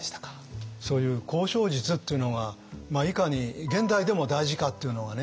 そういう交渉術っていうのがいかに現代でも大事かっていうのがね